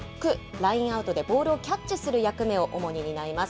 ラインアウトでボールをキャッチする役目を主に担います。